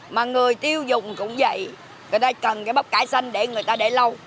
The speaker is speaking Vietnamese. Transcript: mà người tiêu dùng cũng vậy người ta cần cái bắp cải xanh để người ta để lâu